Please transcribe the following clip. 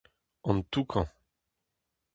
An Toukan.